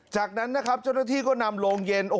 จากนั้นเจ้าหน้าที่นำโรงเย็น